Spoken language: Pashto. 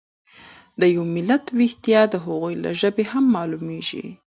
د یو ملت ويښتیا د هغوی له ژبې هم مالومیږي.